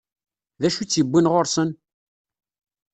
D acu i tt-iwwin ɣur-sen?